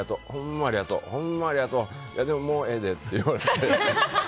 ありがとうでも、もうええでって言われて。